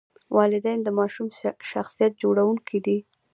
والدین د ماشوم شخصیت جوړونکي دي.